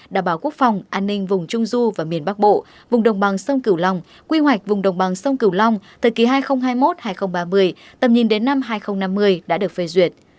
đảm bảo quốc phòng an ninh vùng trung du và miền bắc bộ vùng đồng bằng sông cửu long quy hoạch vùng đồng bằng sông cửu long thời kỳ hai nghìn hai mươi một hai nghìn ba mươi tầm nhìn đến năm hai nghìn năm mươi đã được phê duyệt